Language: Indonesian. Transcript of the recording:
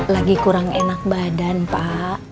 lagi kurang enak badan pak